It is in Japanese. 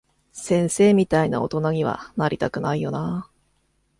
先生みたいな大人には、なりたくないよなぁ。